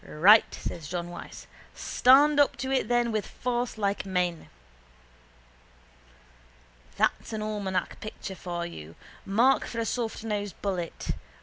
—Right, says John Wyse. Stand up to it then with force like men. That's an almanac picture for you. Mark for a softnosed bullet.